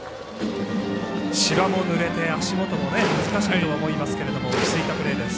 芝もぬれて足元が難しいとは思いますけど落ち着いたいいプレーです。